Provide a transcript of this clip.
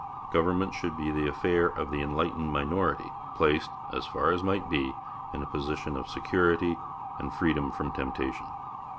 Government should be the affair of the enlightened minority, placed, as far as might be, in a position of security and freedom from temptation.